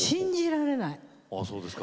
あそうですか？